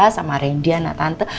sama rendy anak tante